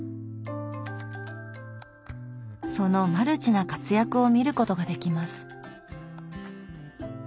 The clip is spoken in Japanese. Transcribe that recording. そのマルチな活躍を見ることができます。